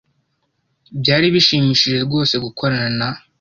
Byari bishimishije rwose gukorana na .